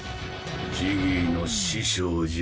ジギーの師匠じゃ。